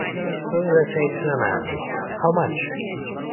Suppose I say to a man, "how much?"